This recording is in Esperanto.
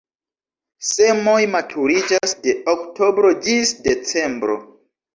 Semoj maturiĝas de oktobro ĝis decembro.